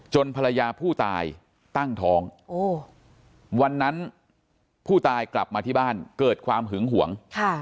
ภรรยาผู้ตายตั้งท้องวันนั้นผู้ตายกลับมาที่บ้านเกิดความหึงหวง